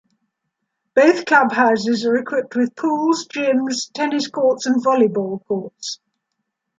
Both club houses are equipped with pools, gyms, tennis courts, and volleyball courts.